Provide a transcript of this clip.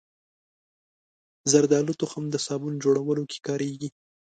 زردالو تخم د صابون جوړولو کې کارېږي.